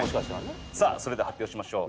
さあそれでは発表しましょう。